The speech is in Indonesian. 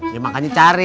ya makanya cari